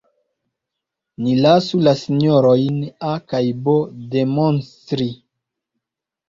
Ni lasu la sinjorojn A kaj B demonstri.